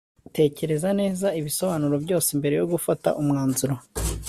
tekereza neza ibisobanuro byose, mbere yo gufata umwanzuro